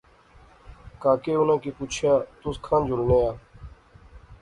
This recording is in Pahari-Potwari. کاکے اُناں کی پُچھیا تس کھان جلنے آ